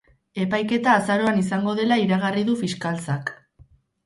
Epaiketa azaroan izango dela iragarri du fiskaltzak.